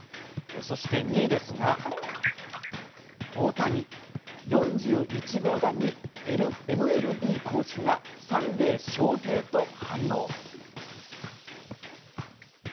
そして２位ですが、大谷４１号弾にＭＬＢ公式がサンデーショウヘイと反応。